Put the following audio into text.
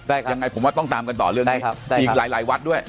ติดตามกันต่อเรื่องนี้มีอีกหลายวัดด้วย